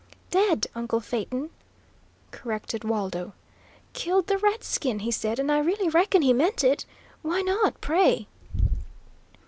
"Dead, uncle Phaeton," corrected Waldo. "Killed the redskin, he said, and I really reckon he meant it. Why not, pray?"